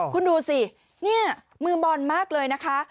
คุณดูสินี่มือบอลมากเลยนะคะ